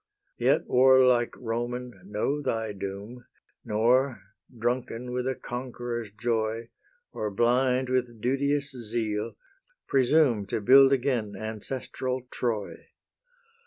Yet, warlike Roman, know thy doom, Nor, drunken with a conqueror's joy, Or blind with duteous zeal, presume To build again ancestral Troy.